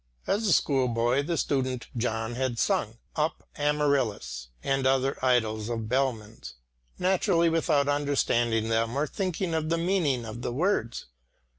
As a school boy and student, John had sung "Up, Amaryllis" and other idylls of Bellmann's, naturally without understanding them or thinking of the meaning of the words.